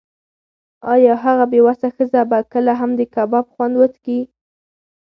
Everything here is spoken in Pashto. ایا هغه بې وسه ښځه به کله هم د کباب خوند وڅکي؟